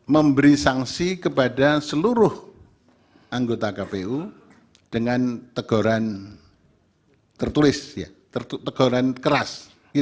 memberi sanksi kepada seluruh anggota kpu dengan teguran tertulis teguran keras